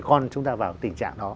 con chúng ta vào tình trạng đó